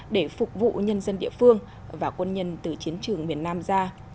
để phục vụ nhân dân địa phương và quân nhân từ chiến trường miền nam ra